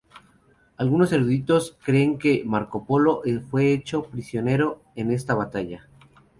Algunos eruditos creen que Marco Polo fue hecho prisionero en esta batalla.